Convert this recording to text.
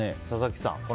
佐々木さん